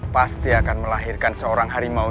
pasti akan melahirkan seorang harimau